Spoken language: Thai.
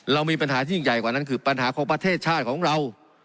เรามีปัญหาที่ยิ่งใหญ่กว่านั้นคือปัญหาของประเทศชาติของเรา